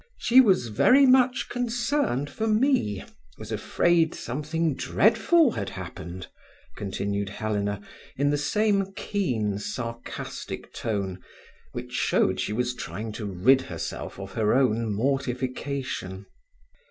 "She was very much concerned for me was afraid something dreadful had happened," continued Helena, in the same keen, sarcastic tone, which showed she was trying to rid herself of her own mortification.